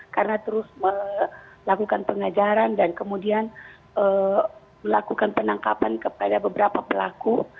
karena terus melakukan pengajaran dan kemudian melakukan penangkapan kepada beberapa pelaku